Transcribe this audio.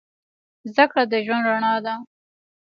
زدهکړه د ژوند رڼا ده